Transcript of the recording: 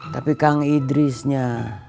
tapi kang idrisnya